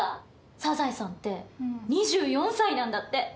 サザエさんって２４歳なんだって。